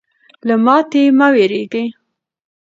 له ماتې مه ویرېږئ.